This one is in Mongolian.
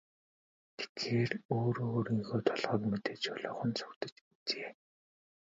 Тэгэхээр өөрөө өөрийнхөө толгойг мэдээд шулуухан зугтаж үзье.